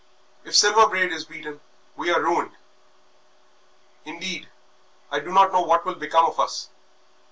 If Silver Braid is beaten we are ruined. Indeed, I don't know what will become of us.